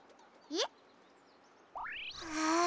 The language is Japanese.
えっ？はあ。